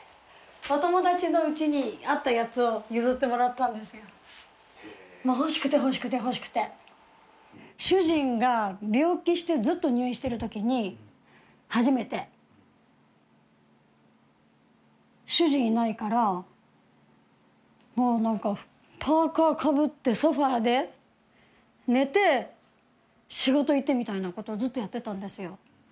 お友達の家にあったやつを譲ってもらったんですよもう欲しくて欲しくて欲しくて主人が病気してずっと入院してる時に初めて主人いないからもう何かパーカーかぶってソファーで寝て仕事行ってみたいなことをずっとやってたんですよ